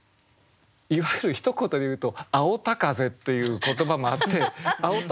いわゆるひと言で言うと「青田風」という言葉もあって青田